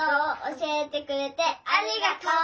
教えてくれてありがとう。